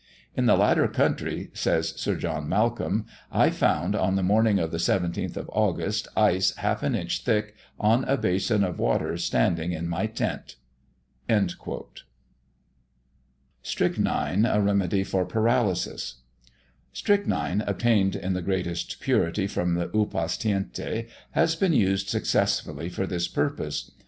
In the latter country (says Sir John Malcolm) I found, on the morning of the 17th of August, ice half an inch thick on a basin of water standing in my tent." Footnote 4: Sketches of Persia. STRYCHNINE A REMEDY FOR PARALYSIS. Strychnine (obtained in the greatest purity from the Upas Tiente) has been used successfully for this purpose.